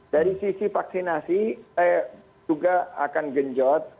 dari sisi vaksinasi saya juga akan genjot